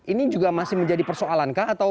ini juga masih menjadi persoalan kah atau